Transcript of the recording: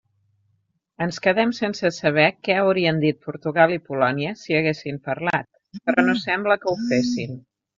Ens quedem sense saber què haurien dit Portugal i Polònia si haguessin parlat, però no sembla que ho fessin.